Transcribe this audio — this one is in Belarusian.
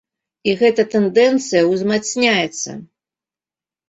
І гэта тэндэнцыя ўзмацняецца.